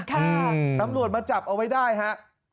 ตำรวจมาจับเอาไว้ได้ฮะ